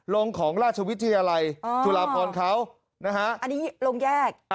ลงของราชวิทยาลัยจุฬาพรเขานะฮะอันนี้ลงแยก